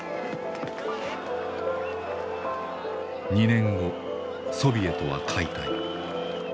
２年後ソビエトは解体。